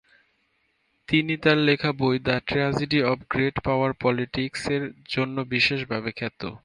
তিনি তার লেখা বই "the tragedy of great power পলিটিক্স"-র জন্য বিশেষ ভাবে খ্যাত।